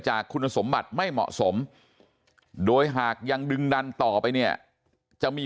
คุณสมบัติไม่เหมาะสมโดยหากยังดึงดันต่อไปเนี่ยจะมี